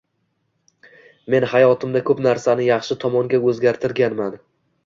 Men hayotimda ko’p narsani yaxshi tomonga o’zgartirganman